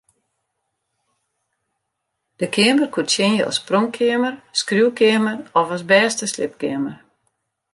Der keamer koe tsjinje as pronkkeamer, skriuwkeamer of as bêste sliepkeamer.